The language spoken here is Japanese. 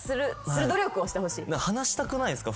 話したくないですか？